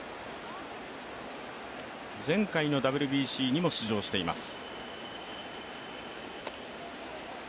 前回のＷＢＣにも出場しています。